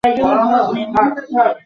Ah, Paul Duval.